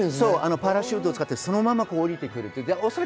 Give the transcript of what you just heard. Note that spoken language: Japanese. パラシュートを使ってそのまま下りてくる。